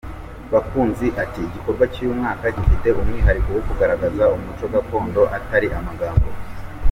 Bakunzi ati “Igikorwa cy’uyu mwaka gifite umwihariko wo kugaragaza umuco gakondo atari amagambo.